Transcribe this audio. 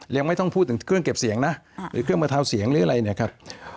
ยังไม่ต้องพูดถึงเครื่องเก็บเสียงนะหรือเครื่องบรรเทาเสียงหรืออะไรเนี่ยครับ